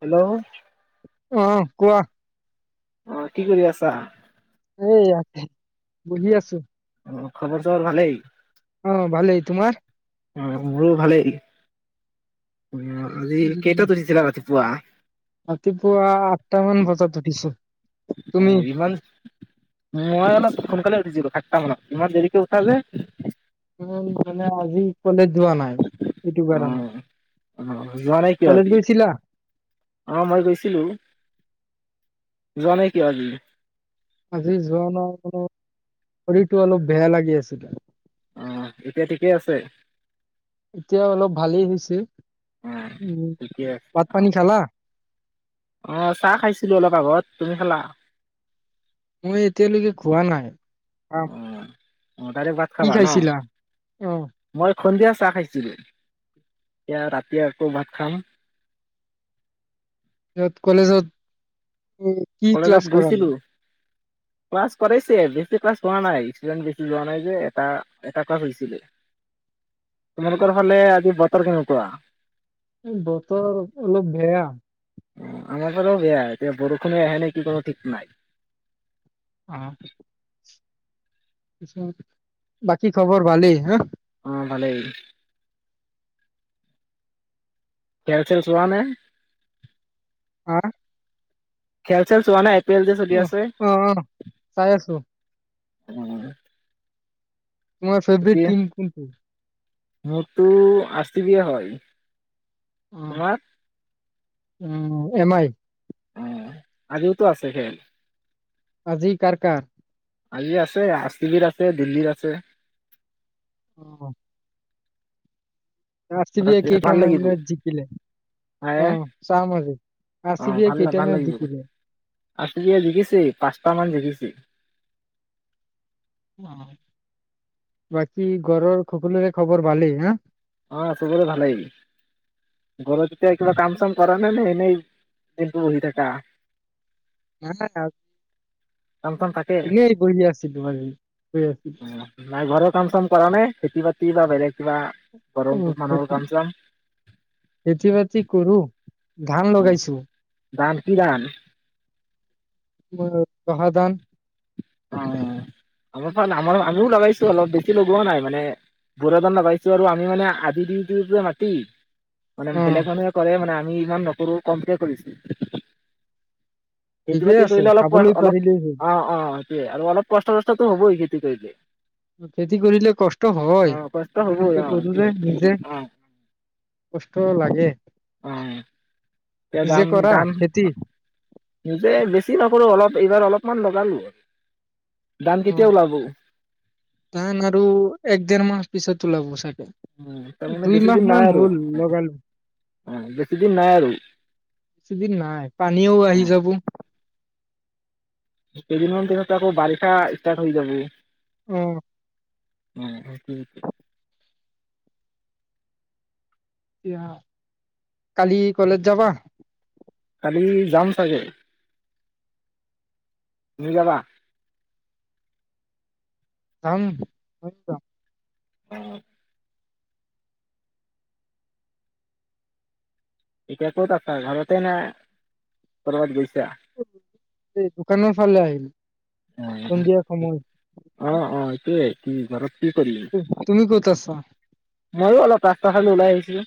Hello অ' কোৱা! অ', কি কৰি আছা? এইয়া বহি‌ আছো। অ' খবৰ ছবৰ ভালেই। অ' ভালেই। তোমাৰ? অ' মোৰো ভালেই। উ কালি উম কেইটাত আহিছিলা ৰাতি? পুৱা ৰাতিপুৱা আঠটা মান বাজাত উঠিছো, অ তুমি। ইমান মই অলপ সোনকালে [unintelligible] ইমান দেৰিকে উঠা যে? উম মানে আজি কলেজ যোৱা নাই, সিটো অ কাৰণে। [unintelligible] যোৱা নাই কিয় কলেজ আজি? গৈছিলা অ', মই গৈছিলো। যোৱা নাই কিয় আজি? আজি যোৱা নাই, [unintelligible] শৰীৰটো অলপ বেয়া লাগি আছিলে। অ', এতিয়া ঠিকে আছে? এতিয়া অলপ ভালেই হৈছে। অ উম, ঠিকে আছে ভাত অ পানী খালা? অ', চাহ খাইছিলো অলপ আগত, তুমি খালা? মই এতিয়া লৈকে খোৱা নাই, খাম। অ অ ডাইৰেক্ট ভাত কি খাবা ন খাইছিলা? অ'। মই সন্ধিয়া চাহ খাইছিলো, এতিয়া ৰাতি আকৌ ভাত খাম। যত কলেজত কি ক্লাস কৰালে? ক্লাচ কৰিছে বেচি ক্লাচ হোৱা নাই ইষ্টুডেন্ট বেছি যোৱা নাই‌ যে এটা এটা ক্লাচ হৈছিলে। তোমালোকৰ ফালে আজি বতৰ‌ কেনেকুৱা? ও বতৰ অলপ বেয়া। আমাৰ ফালেও বেয়া এতিয়া বৰষূণে আহে নে কি কৰে ঠিক নাই। অ'। বাকী খবৰ ভালেই বা। অ' ভালেই। খেল চেল চোৱা নে? ও। খেল চেল চোৱা নাই। ও অ' অ' চাই আছো। অ' তোমাৰ ফেভাৰেত টীম কোনো টো। মোৰ টো অষ্ট্ৰৈলিয়া হয়। [inaudible] অ'‌ এম আই অ' আজিও টো আছে খেল। আজি কাৰ কাৰ? আজি আছে আৰ চি বিৰ আছে দিল্লীৰ আছে। গম নাপাওঁ। অ' ভাল কেইটামান লাগিব মেচ জিকিলে হায়ে অ', চাম আজি। আৰ চি হয় বিয়ে ভাল কেইটা -ভাল মেচ লাগিব জিকিলে আৰ চি বিয়ে জিকিছেই পাচ টা মান জিকিছে। ওম। বাকি ঘৰৰ সকলোৰে খবৰ ভালেই না? অ' চবৰে ভালেই। ঘৰত এতিয়া কিবা কাম চাম কৰা নে এনেই দিনটো বহি থাকা? নাই কাম চাম থাকেই। এনেই বহি আছিলো আজি। বহি আছিলো। উম নাই ঘৰৰ কাম চাম কৰানে খেতি বা কিবা বেলেগ বা [unintelligible] খেতি বাতি কৰো। ধান উম, লগাইছো, [unintelligible] জহা ধান, অও। অলপমান আমাৰো আমিও লগাইছো অলপ বেছি লগোৱাও নাই মানে বুৰা ধান লগাইছো আমি মানে আধি দিও টো মাটি মানে অ', বেলেগ মানুহে কৰে মানে আ এইবাৰ নকৰো কমকে কৰিছো। ঠিকেই আছে খাবলৈ পাৰিলেই হ'ল। [unintelligible] টোই আৰু অলপ কষ্ট চষ্ট টো হ'ব ই খেতি কৰিলে। খেতি কৰিলে কষ্ট অ কষ্ট হয়। হ'বই অ সেইটোৱে [unintelligible] অ কষ্ট লাগে। অ' উম! নিজে কৰা খেতি? নিজে বেছি নকৰো অলপ এইবাৰ অলপমান লগালো ধান কেতিয়া অ'। ওলাব দান আৰু এক দেৰমাহ পিছত ওলাব চাগে। উম তাৰমানে বেছি দিন নাই দুইমাহমান আৰু হ'ল [unintelligible] অ বেছি দিন নাই আৰু বেছিদিন নাই পানীও অ আহি যাব। কেইদিনমান পিছত আকৌ বাৰিষা ইস্টাৰ্ট হৈ যাব। উম! [inaudible] এতিয়া, কালি কলেজ যাবা? কালি যাম চাগে তুমিও যাবা যাম [inaudible] এতিয়া ক'ত আছা? ঘৰতেনে? ক'ৰবাত গৈছ এই, দোকানৰ ফালে আহিলোঁ। অ', অ, অ, এইটোয়েই কি, ঘৰত কি কৰিলি হুহ, তুমি ক'ত আছা? মইয়ো অলপ ৰাস্তাৰ ফালে ওলাই আহিছিলোঁ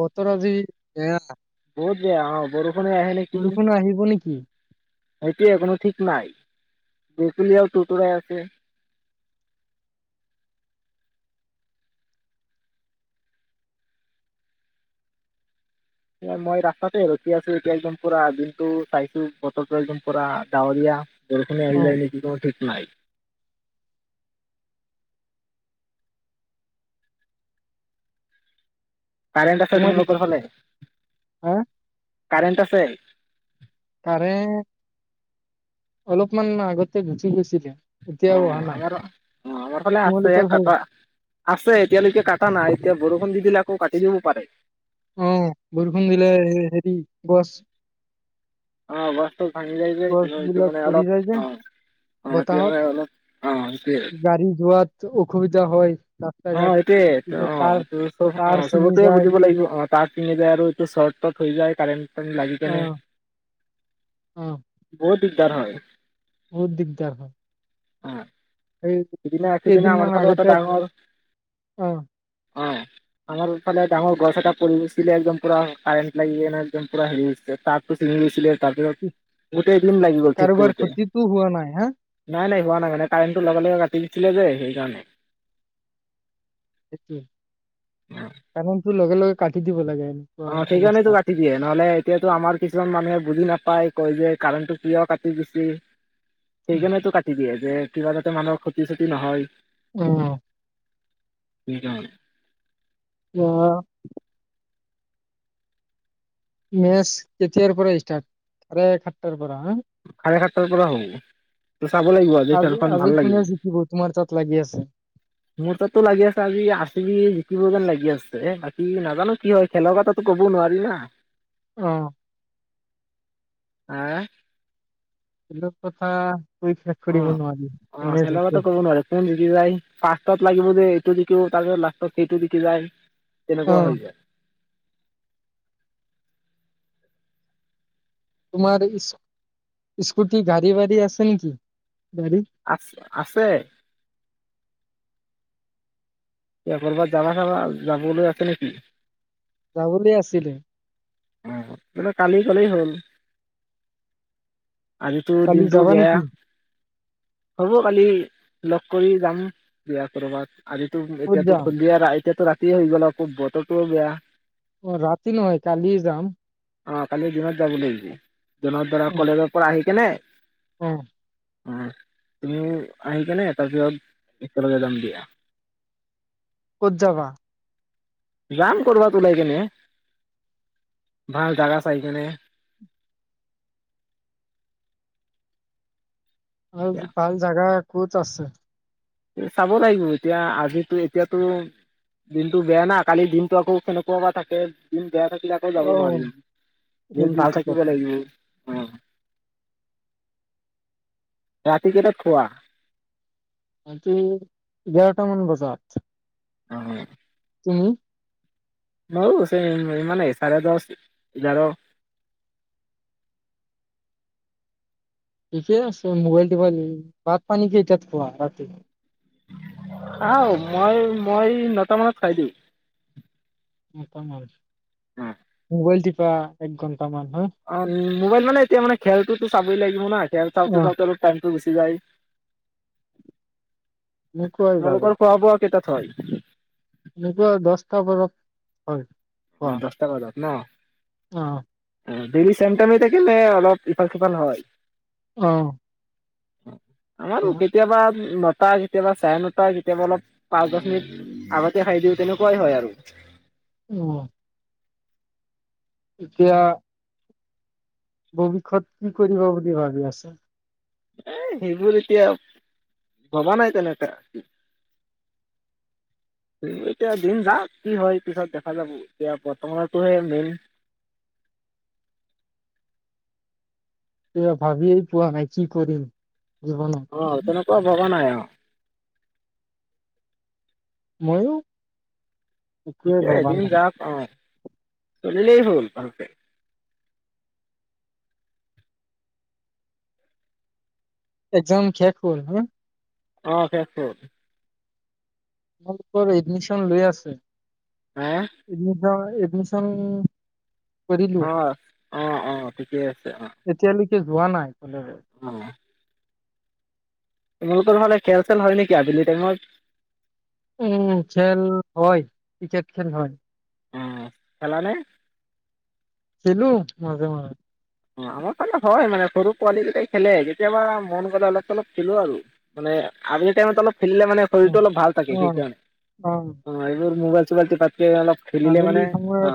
বতৰ আজি বেয়া [inaudible] বৰযুণ আহিব নেকি? সেইটোৱে কোনো থিক নাই, ভেকুলীৱে তুৰ তুৰাই আছে। মই ৰাষ্টাতে ৰখি আছো এতিয়া পুৰা দিনটো চাইছো বতৰতো একদম পুৰা ডাৱৰীয়া। বৰষুণ এ অ আহি যায় নিকি কোনো থিক নাই। কাৰেন্ট আছে তোমাৰ তোমালোকৰ ফালে। হা [unintelligible] তাৰে অলপমান আগতে গুচি গৈছিলে। অ, এতিয়াও অহা নাই আমাৰফালে আছে তোমালোকৰ ফালে কাটা নাই আছে এতিয়ালৈকে কাটা নাই এতিয়া বৰ বৰষুণ দি দিলে আকৌ কাটি দিব পাৰে। অ, বৰষুণ দিলে হেৰি গছ অ' মন চন ভাঙি যায় যে, গছ এইটো বিলাক মানে পৰি অলপ যায় যে বতাহত অলপ [unintelligible] গাড়ী যোৱাত অসুবিধা হয় ৰাস্তা ঘাট অ' একে তো পিছত তাৰ তাৰ ছিঙি সবকে যায় বুজিব লাগিব, অ' তাত তাৰ খিনিযে আৰু ইটো চৰ্ট চট হৈ যায়। কাৰেণ্ট পানীত লাগি অ গেলে, অ বহুত দিগদাৰ হয়। বহুত দিগদাৰ হয়। অ, এই সিদিনা সিদিনা কেইদিনমান আমাৰফালেও এটা আগতে ডাঙৰ অ অ', আমাৰ ফালে ডাঙৰ গছ এটা পৰি গৈছিলে, একডম পুৰা কাৰেণ্ট লাগি কেনে একডম পুৰা হেৰি হৈছিলে, তাৰটো চিঙি গৈছিলে। তাৰ পিছত, বহুখিনি টাইম লাগি গ'ল ঠিক কাৰোবাৰ কৰোঁতে, ক্ষতিটো হোৱা নাই হা নাই নাই হোৱা নাই কাৰেণ্টটো লগে লগে চিঙিচিলে যে সেইকাৰণে। সেইটো তাহোন তো লগে লগে। কাটি দিব লাগে এনেকুৱা অ' সেইকাৰণে অৱস্থা তো কাটি দিয়ে নহ'লে এইতো আমাৰ কিছুমান মানুহে বুজি নাপায়। পাই কয় যে কাৰেন্টো কিয় কাতি দিছি সেইকাৰণে টো কাটি দিয়ে যে কিবা জাতে মানুহৰ ক্ষতি ছতি নহয়। অ'। উম। [unintelligible] মেচ কেতিয়াৰ পৰা ষ্টাৰ্ট কাৰেক সাত তাৰ পৰা, হা? সাৰে সাত তাৰ পৰা হ'ব। চাব লাগিব আজিৰ আজি খেলখন‌ আজি ভাল কোনে জিকিব তোমাৰ তাত লাগি আছে লাগিব মোৰ তাত টো লাগি আছে আজি আৰ চি বি জিকি হ'ব যেন লাগি আছে বাকী নাজানো কি হয় খেলৰ কথাটোটো ক'ব নোৱাৰি না অ' [unintelligible] [unintelligible] কৈ শেষ কৰিব নোৱাৰি, কোনে জিকে মোক নিদিলাই। ফাৰ্ষ্টত লাগিব যে, এইটো যিটো। তাৰ পিছত লাষ্টত সেইটো জিকি যায়। অ কেনেকুৱা হৈছে? তোমাৰ ইচ-স্কুটি, গাড়ী, ৱাড়ী আছে নেকি? গাড়ী আছ-আছে এ, ক'ৰবাত যাবা, চাবা, যাবলৈ আছে নেকি? যাবলৈ আছিলে অ', তেন্তে কালি কলেই হ'ল। আজি টো কালি দিনটো যাবা বেয়া নেকি হ'ব কালি লক কৰি জাম ইয়াতৰ ক'ৰবাত আজি টো ক'ত এতিয়া টো যাম আইছে [unintelligible] বতৰটোও বেয়া ৰাতি নহয় কালিয়ে যাম। অ', কালি দিনত যাব লাগিব। দিনত ধৰা কলেজৰ পৰা আহি কেনে। উম। উম, তুমি আহিকেনে তাৰ পাছত একেলগে যাম দিয়া। ক'ত যাবা? যাম কৈৰবাত উলাই কেনে, ভাল জাগা চাই কেনে। এতিয়া আৰু ভাল জাগা। ক'ত আছে? চাব লাগিব এতিয়া আজিটো এতিয়াতো দিনটো বেয়া না কালি দিনটো আকৈ কেনেকাবা থাকে। দিন বেয়া লে আকৈ যাব অ নোৱাৰিম, দিন ভাল সেইটোৱেটো থাকিব কথা লাগিব। হা ৰাতি কেইতাত খোৱা? [unintelligible] অ', অ'। উম। [unintelligible] ইমানেই চাৰে দচ ইঘাৰ। থিকে আছে মোবাইল [unintelligible] ভাতপানী কেইটাত খোৱা ৰাতি? খাওঁ মই, মই নটা মানত খাই দিওঁ। [unintelligible] অ মুবাইল তি। বা এক ঘন অ', মোবাইল মানে এতিয়া মানে চাবৈই লাগিব না খেল চাওঁতে অ চাওঁতে টাইম তো গুচি যায় মোক কয় জালে। সিতা থয় মোৰ পৰা দচতা বৰফ হয়। খোৱা অ' দচটা বজাত। ন' অ' অ দেলি চেম টাইমে থাকে নে ওলপ ইফাল সিফাল হয় অঁ [inaudible] আমাৰ কেতিয়াবা টা কেতিয়াবা চাৰে ন টা, কেতিয়াবা ওলপ পাচ দচ মিনিট আগতে খাই দিউ তেনেকুৱায় হয় আৰু। উম এতিয়া' ভৱিষ্যত কি কৰিব বুলি ভাবি আছে? এই সেইবোৰ এতিয়া ভবা নাই তেনেকা, সেইবোৰ এতিয়া দিন যাওক কি হয় দেখা যাব বৰ্তমানৰ টো হে মেইন। তিয়া ভাবিয়ে পোৱা নাই কি কৰিম। জীৱনত অ তেনেকুৱা ভবা নাই আও। মইয়ো, একোৱে থিকে ভবা এদিন নাই। যাওক অ্, চলিলেই হল। একজাম শেষ হল তোমাৰ? অঁ শেষ হল। তোমালোকৰ এডমিশ্যন লৈ আছে। হা? এদমিচয় [unintelligible] এদমিচন আ। অ অ, থিকে আছে অ। সি যোৱা নাই অলদাবে [unintelligible] অ তোমালোকৰ ফালে খেল চেল হয় নেকি আবেলি টাইমত? উম খেল হয়। ক্ৰিকেট খেল হয়। উম খেলানে? খেলু মাজে মাজে। অঁ। আমাৰ ফালে হয় মানে সৰু পোৱালি কেইটাই খেলে, কেতিয়াবা মন গ'লে ওলপ চলপ খেলু আৰু। মানে আবেলি টাইমত ওলপ খেলিলে মানে অ শৰীৰ টো ওলপ ভাল থাকে অ সেইকাৰণে, অঁ এইবোৰ মবাইল [unintelligible] তে অলপ খেলিলে মানে, অ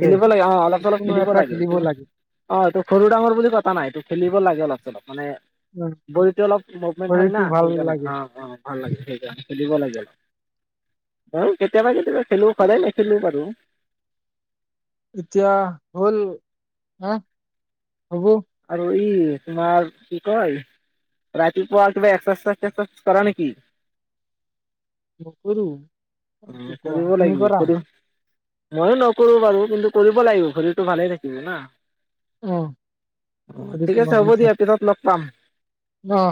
খেলিব লাগে অ ওলপ চলপ খেলিব লাগে। ইতো অ এটো সৰু ডাঙৰ বুলি কথা নাই। এটো খেলিব লাগে ওলপ চলপ মানে, উম, বডিটো অলপ মুভমেন্ট হয় শৰীৰটো না, ভাল সেইকাৰনে লাগে অ অ। ভাল লাগে, সেইকাৰণে খেলিব লাগে। হয় কেতিয়াবা কেতিয়াবা খেলিব পাৰে নেখেলো বাৰু। এতিয়া হ'ল, হা হ'ব। আৰু এই তোমাৰ কি কয় ৰাতিপুৱা কিবা এক্সাৰচাইজ [inaudible] কৰা নেকি? নকৰোঁ। উম কৰিব লাগিব, কৰো। মইও নকৰোঁ বাৰু, কিন্তু কৰিব লাগিব শৰীৰটো ভালে থাকিব না। অ' ঠিক ৰাতিপুৱা আছে হ'ব দিয়া পিছত লগ পাম। অ'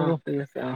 অ ঠিক আছে অ।